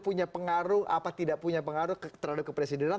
punya pengaruh apa tidak punya pengaruh terhadap kepresidenan